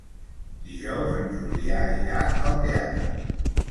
Dijous en Julià irà al teatre.